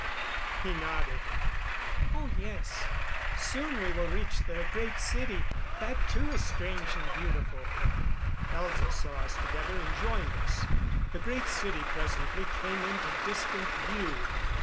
He nodded. "Oh yes. Soon we will reach the Great City. That too is strange and beautiful." Elza saw us together and joined us. The Great City presently came into distant view.